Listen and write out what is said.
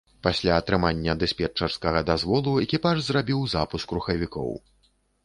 Пасля атрымання дыспетчарскага дазволу, экіпаж зрабіў запуск рухавікоў.